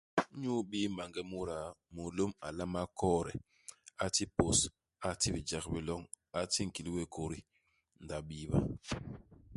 Inyu ibii maange muda, mulôm a nlama koode. A ti pôs. A ti bijek bi loñ. A ti nkil wéé kôdi. Ndi a biiba.